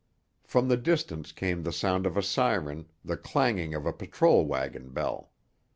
From the distance came the sound of a siren, the clanging of a patrol wagon bell.